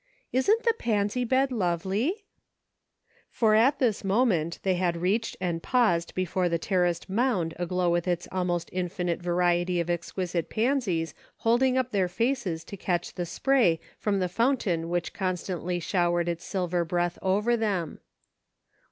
Isn't the pansy bed lovely ?" For at this moment they had reached and paused before the terraced mound aglow with its almost infinite variety of exquisite pansies holding up their faces to catch the spray from the fountain which constantly showered its silver breath over them.